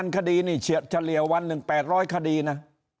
๑๑๔๐๐๐คดีเนี่ยเฉลี่ยวัน๑๘๐๐คดีนะ